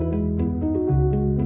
mengembang untuk menangkap v sipil